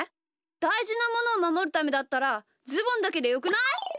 だいじなものをまもるためだったらズボンだけでよくない？